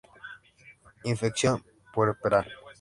Infección puerperal.